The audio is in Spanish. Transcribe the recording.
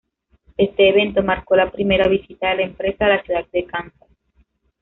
Este evento marcó la primera visita de la empresa a la ciudad de Kansas.